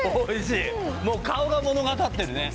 もう顔が物語ってるね